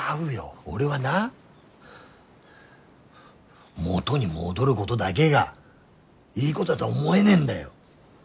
俺はな元に戻るごどだげがいいごどだどは思えねえんだよ。